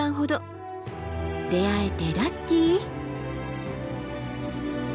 出会えてラッキー！